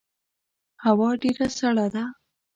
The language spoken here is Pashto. هوا ډیره سړه ده